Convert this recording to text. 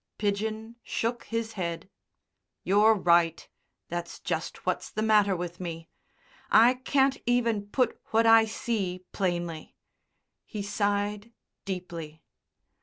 Pidgen shook his head. "You're right. That's just what's the matter with me. I can't even put what I see plainly." He sighed deeply.